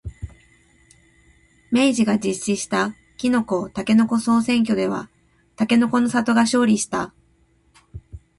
明治が実施したきのこ、たけのこ総選挙ではたけのこの里が勝利した。